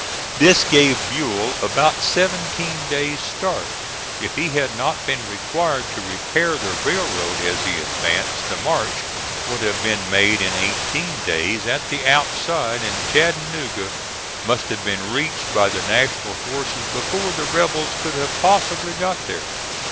This gave Buell about seventeen days' start. If he had not been required to repair the railroad as he advanced, the march could have been made in eighteen days at the outside, and Chattanooga must have been reached by the National forces before the rebels could have possibly got there.